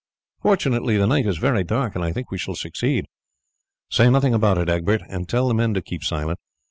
"Fortunately the night is very dark and I think that we shall succeed. Say nothing about it, Egbert, and tell the men to keep silent.